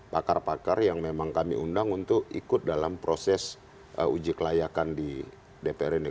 pakar pakar yang memang kami undang untuk ikut dalam proses uji kelayakan di dpr ini